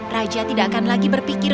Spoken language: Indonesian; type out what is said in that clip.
raja tidak akan berpikir